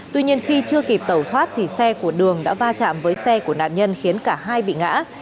tuy nhiên khi chưa kịp tẩu thoát thì xe của đường đã va chạm với xe của nạn nhân khiến cả hai bị ngã